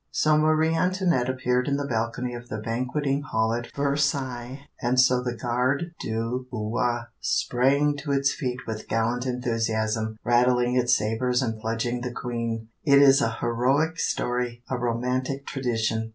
_ So Marie Antoinette appeared in the balcony of the banqueting hall at Versailles, and so the garde du roi sprang to its feet with gallant enthusiasm, rattling its sabres and pledging the Queen. It is a heroic story, a romantic tradition.